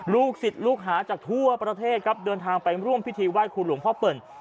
ลูกศิษย์ลูกหาจากทั่วประเทศครับเดินทางไปร่วมพิธีไหว้ครูหลวงพ่อเปิ่น